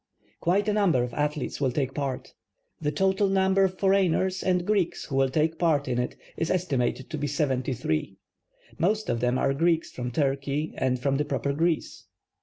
Quite a number of athletes will take part. The total number of fcjreigncrs and Greeks who will take ])art in it is estimated to be 7.^. Most of them are Greeks fr(jni Turkey and from the |)roper Greece.